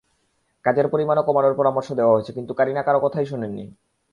কাজের পরিমাণও কমানোর পরামর্শ দেওয়া হয়েছে, কিন্তু কারিনা কারও কথাই শোনেননি।